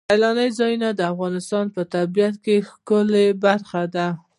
سیلانی ځایونه د افغانستان د طبیعت د ښکلا برخه ده.